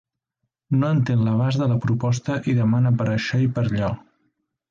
No entén l'abast de la proposta i demana per això i per allò.